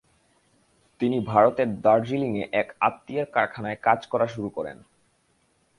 তিনি ভারতের দার্জিলিংয়ে এক আত্মীয়ের কারখানায় কাজ করা শুরু করেন।